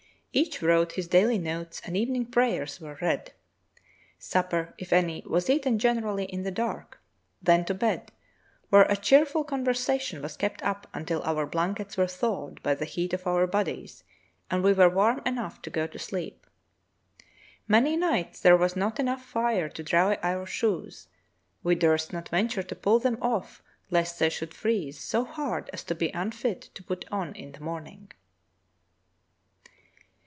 Each wrote his daily notes and evening prayers were read. Supper if any was eaten generally in the dark. Then to bed, where a cheerful conversation was kept up until our blankets were thawed by the heat of our bodies and we were warm enough to go to sleep. Many nights there was not enough fire to dry our shoes; we durst not venture to pull them off lest they should freeze so hard as to be unfit to put on in the morning."